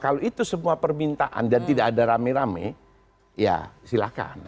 kalau itu semua permintaan dan tidak ada rame rame ya silahkan